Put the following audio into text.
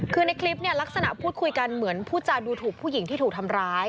คือในคลิปเนี่ยลักษณะพูดคุยกันเหมือนพูดจาดูถูกผู้หญิงที่ถูกทำร้าย